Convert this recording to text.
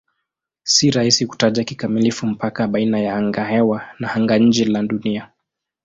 Si rahisi kutaja kikamilifu mpaka baina ya angahewa na anga-nje la Dunia.